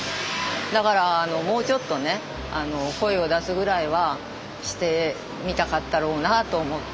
だからもうちょっとね声を出すぐらいはしてみたかったろうなと思って。